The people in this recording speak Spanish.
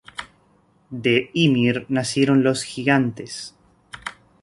De Ymir nacieron los gigantes.